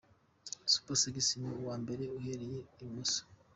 Super Sexy ni uwa mbere uhereye ibumoso.